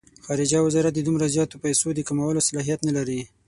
خارجه وزارت د دومره زیاتو پیسو د کمولو صلاحیت نه لري.